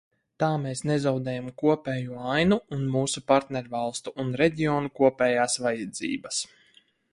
Tā mēs nezaudējam kopējo ainu un mūsu partnervalstu un reģionu kopējās vajadzības.